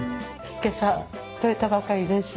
今朝取れたばかりです。